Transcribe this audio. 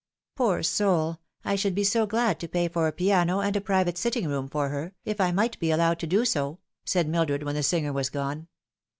" Poor soul ! I should be so glad to pay for a piano and a private sitting room for her, if I might be allowed to do so," said Mildred, when the singer was gone.